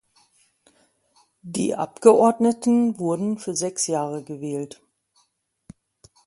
Die Abgeordneten wurden für sechs Jahre gewählt.